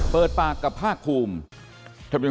เปิดปากกับภาคภูมิ